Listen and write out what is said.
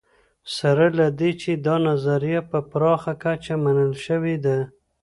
سره له دې چې دا نظریه په پراخه کچه منل شوې ده